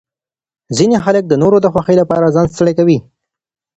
ځینې خلک د نورو د خوښۍ لپاره ځان ستړی کوي.